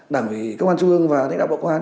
đảng ủy công an trung ương và đảng bộ công an